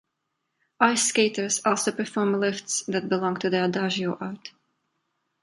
Ice skaters also perform lifts that belong to the adagio art.